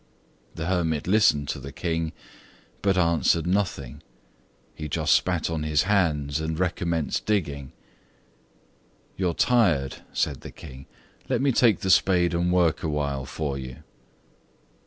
The hermit listened to the King, but answered nothing. He just spat on his hand and recommenced digging. "You are tired," said the King, "let me take the spade and work awhile for you."